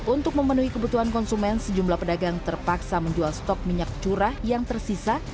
untuk memenuhi kebutuhan konsumen sejumlah pedagang terpaksa menjual stok minyak curah yang tersisa